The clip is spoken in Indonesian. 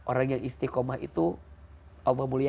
maka orang yang istiqomah itu allah muliakan